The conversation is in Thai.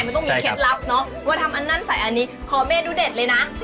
มันต้องมีเคล็ดลับเนอะว่าทำอันนั้นใส่อันนี้ขอเมนูเด็ดเลยนะ